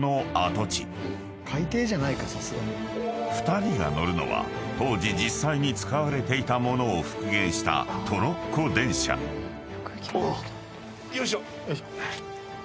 ［２人が乗るのは当時実際に使われていた物を復元した］よいしょ。